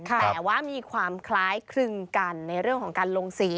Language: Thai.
แต่ว่ามีความคล้ายคลึงกันในเรื่องของการลงสี